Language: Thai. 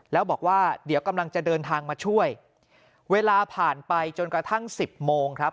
แล้วบอกว่าเดี๋ยวกำลังจะเดินทางมาช่วยเวลาผ่านไปจนกระทั่งสิบโมงครับ